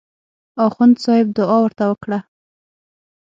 اخندصاحب دعا ورته وکړه.